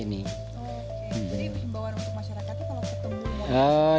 jadi bimbawan untuk masyarakatnya kalau ketemu